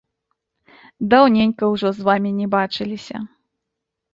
Даўненька ўжо з вамі не бачыліся!